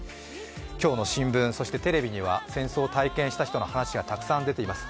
今日の新聞、そしてテレビには戦争を体験した人の話がたくさん出ています。